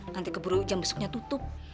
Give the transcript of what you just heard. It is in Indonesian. nanti keburu jam besoknya tutup